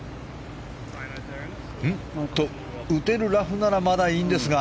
打てるラフならまだいいんですが。